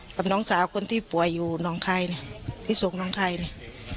กับน้องสาวคนที่ป่วยอยู่น้องคายเนี่ยที่ส่งน้องไทยเนี่ย